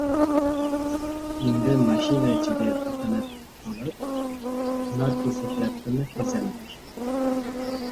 Endi mashina ichiga biqinib olib, hunar ko‘rsatyaptimi, hezalak!